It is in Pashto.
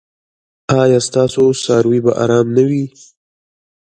ایا ستاسو څاروي به ارام نه وي؟